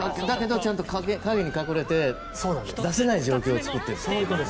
だけどちゃんと影に隠れて出せない状況を作って。